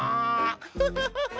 フフフフフ！